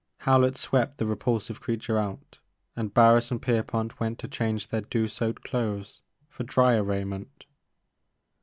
Howlett swept the repulsive creature out and Barris and Pierpont went to change their dew soaked clothes for dryer raiment.